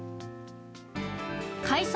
開催